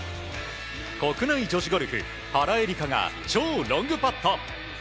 国内女子ゴルフ原英莉花が超ロングパット。